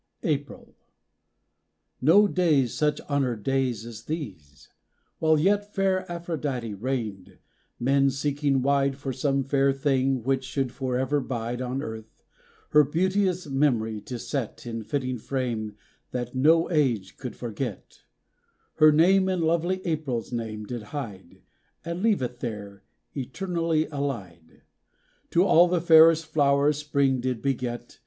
192 APRIL. No days such honored days as these! While yet Fair Aphrodite reigned, men seeking wide For some fair thing which should forever bide On earth, her beauteous memory to set In fitting frame that no age could forget, Her name in lovely April's name did hide, And leave it there, eternally allied To all the fairest flowers Spring did beget.